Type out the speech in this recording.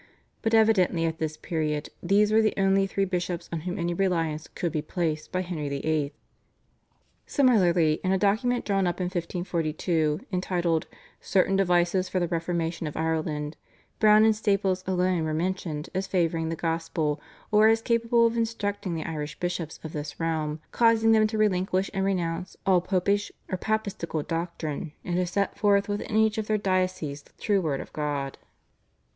But evidently at this period these were the only three bishops on whom any reliance could be placed by Henry VIII. Similarly in a document drawn up in 1542 entitled /Certain Devices for the Reformation of Ireland/, Browne and Staples alone were mentioned as favouring the gospel or as capable of "instructing the Irish bishops of this realm, causing them to relinquish and renounce all popish or papistical doctrine, and to set forth within each of their dioceses the true Word of God."